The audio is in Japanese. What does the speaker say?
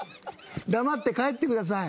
黙って帰ってください。